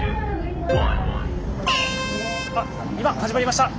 今始まりました。